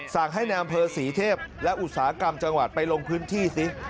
สั่งให้ในอำเภอศรีเทพและอุตสาหกรรมจังหวัดไปลงพื้นที่ซิ